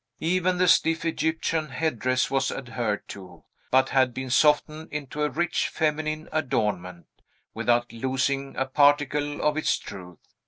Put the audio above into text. Even the stiff Egyptian head dress was adhered to, but had been softened into a rich feminine adornment, without losing a particle of its truth.